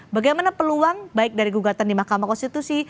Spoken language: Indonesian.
bagaimana peluang baik dari gugatan di mahkamah konstitusi